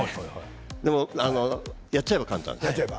でもやっちゃえば簡単。